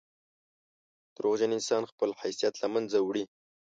• دروغجن انسان خپل حیثیت له منځه وړي.